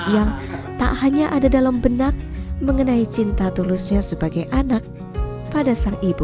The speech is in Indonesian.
yang tak hanya ada dalam benak mengenai cinta tulusnya sebagai anak pada sang ibu